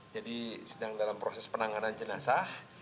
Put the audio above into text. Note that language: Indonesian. jadi sedang dalam proses penanganan jenazah